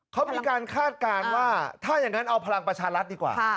เขามีการคาดการณ์ว่าถ้าอย่างนั้นเอาพลังประชารัฐดีกว่า